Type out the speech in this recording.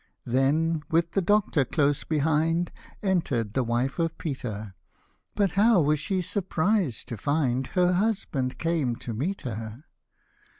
105 Then, with the doctor close behind, Enter'd the wife of Peter ; But how was she surprised to find Her husband came to meet her.